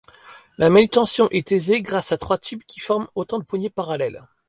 La manutention est aisée grâce à trois tubes qui forment autant de poignées parallèles.